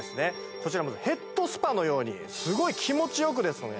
こちらもヘッドスパのようにすごい気持ちよくですね